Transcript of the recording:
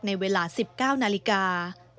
ในเวลา๑๙นาฬิกา